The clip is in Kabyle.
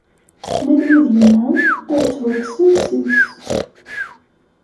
Ma d wid yenɛel, ad ttwakksen seg-s.